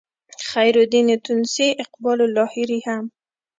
خیرالدین تونسي اقبال لاهوري هم